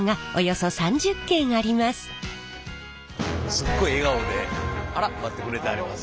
すっごい笑顔で待ってくれてはります。